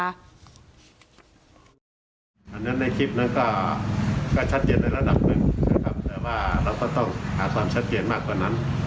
อันนั้นในคลิปนั้นก็ชัดเจนในระดับหนึ่งนะครับแต่ว่าเราก็ต้องหาความชัดเจนมากกว่านั้น